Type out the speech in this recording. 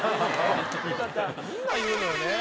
「みんな言うのよね」